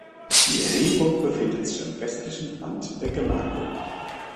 Die Erhebung befindet sich am westlichen Rand der Gemarkung.